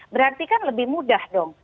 berarti kan lebih mudah dong